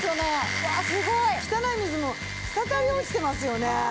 うわあすごい！汚い水も滴り落ちてますよね。